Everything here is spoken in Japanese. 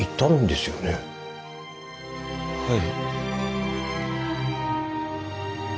はい。